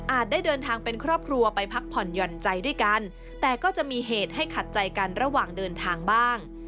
ได้เดินทางเป็นครอบครัวไปพักผ่อนหย่อนใจด้วยกันแต่ก็จะมีเหตุให้ขัดใจกันระหว่างเดินทางบ้าง